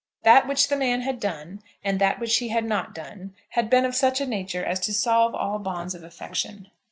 That which the man had done, and that which he had not done, had been of such a nature as to solve all bonds of affection.